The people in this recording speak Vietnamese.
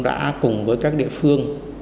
đã cùng với các địa phương